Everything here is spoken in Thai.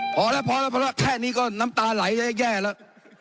พอแล้วพอแล้วพอแล้วแค่นี้ก็น้ำตาไหลจะแย่แล้ว